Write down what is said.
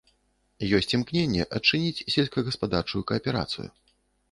Ёсць імкненне адчыніць сельскагаспадарчую кааперацыю.